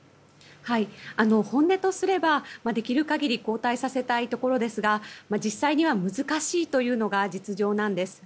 本音とすればできる限り交代させたいところですが実際には難しいというのが実情なんです。